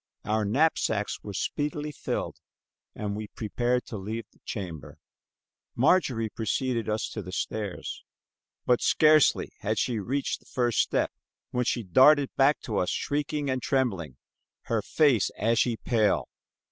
Our knapsacks were speedily filled, and we prepared to leave the chamber. Marjorie preceded us to the stairs, but scarcely had she reached the first step when she darted back to us shrieking and trembling, her face ashy pale.